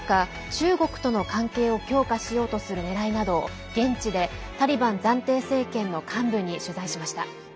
中国との関係を強化しようとするねらいなどを現地でタリバン暫定政権の幹部に取材しました。